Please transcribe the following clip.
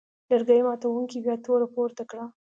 لرګي ماتوونکي بیا توره پورته کړه.